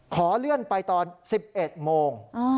ขอเลื่อนไปตอน๑๑โมง